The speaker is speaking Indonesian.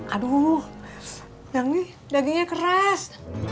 aduh yang nih dagingnya keras